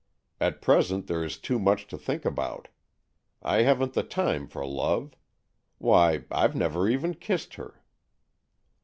At present there is too much to think about. I haven't the time for love. Why, I've never even kissed her."